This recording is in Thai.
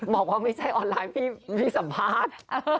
บอกว่าไม่ใช่ออนไลน์พี่สัมภาษณ์